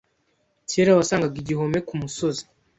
Kera wasangaga igihome kumusozi.